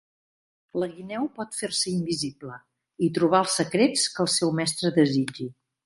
La guineu pot fer-se invisible i trobar els secrets que el seu mestre desitgi.